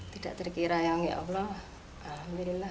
tidak terkira yang ya allah alhamdulillah